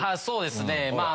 そうですね。